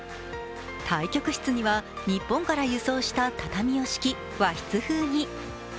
対局室には日本から輸送した畳を敷き、和室風に。